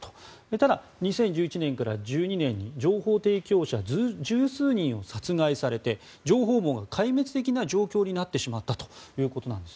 ただ、２０１１年から１２年に情報提供者１０数人を殺害されて情報網が壊滅的な状況になってしまったということです。